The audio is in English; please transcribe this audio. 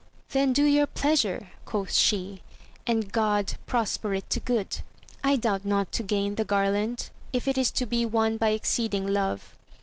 Then do your pleasure, quoth she, and God prosper it to good 1 I doubt not to gain the garland, if it is to be won by exceeding love.